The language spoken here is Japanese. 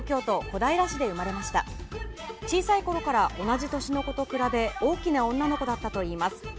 小さいころから同じ年の子と比べ大きな女の子だったといいます。